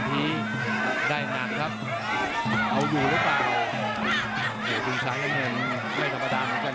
ตรงชั้นแหละเนี่ยไม่ธรรมดาเหมือนกัน